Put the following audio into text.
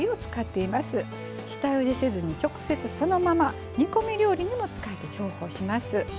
下ゆでせずに直接そのまま煮込み料理にも使えて重宝します。